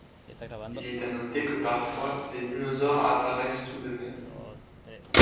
Il est à noter que parfois, des dinosaures apparaissent tout de même.